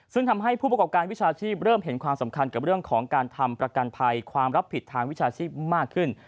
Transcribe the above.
ซึ่งทำให้ผู้ประกอบการวิชาชีพเริ่มเห็นความสำคัญกับเรื่องของการทำประกันภัยความรับผิดทางวิชาชีพมากขึ้น